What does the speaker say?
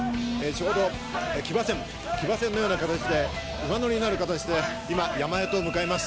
ちょうど騎馬戦、騎馬戦のような形で馬乗りになる形で、今、山へと向かいます。